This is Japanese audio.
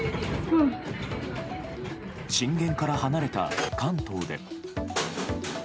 震源から離れた関東で。